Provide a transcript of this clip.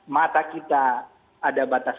mata kita ada batas